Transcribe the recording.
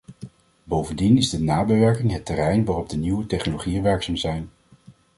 Bovendien is de nabewerking het terrein waarop de nieuwe technologieën werkzaam zijn.